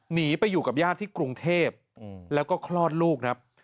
หนีไปอยู่กับญาติที่กรุงเทพแล้วก็คลอดลูกครับ